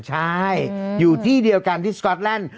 ใช่อยู่ที่เดียวกันที่สก๊อตแลนด์